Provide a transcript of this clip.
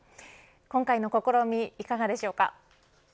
今回の試み、いかがでしょうか。